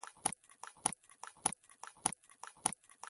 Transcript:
تا چاته نه ښيم باور وکه.